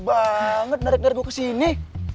sangat ribet membawa saya ke sini